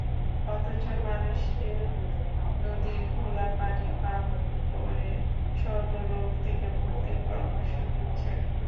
অথচ মানুষকে নদীর ঘোলা পানি পান করে সর্বরোগ থেকে মুক্তির পরামর্শ দিচ্ছেন।